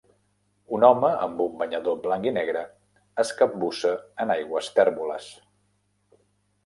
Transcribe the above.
Un home amb un banyador blanc i negre es capbussa en aigües tèrboles.